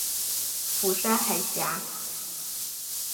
釜山海峡。